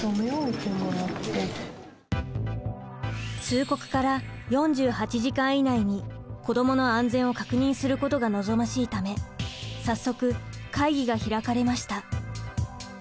通告から４８時間以内に子どもの安全を確認することが望ましいため早速会議が開かれました。